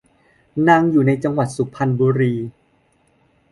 นางอยู่ในจังหวัดสุพรรณบุรี